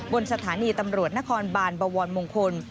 บนสถานีตำรวจนครบานบวรมงคล